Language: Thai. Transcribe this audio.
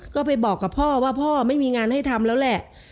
ก็ไปบอกกับพ่อว่าพ่อไม่มีงานให้ทำแล้วแหละ